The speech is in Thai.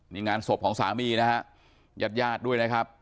นี่งานศพของสามีนะฮะยาดด้วยนะครับ